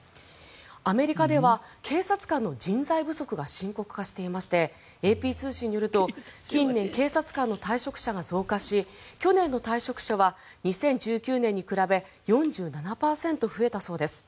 アメリカでは警察官の人材不足が深刻化していましてＡＰ通信によると近年、警察官の退職者が増加し去年の退職者は２０１９年に比べ４７％増えたんだそうです。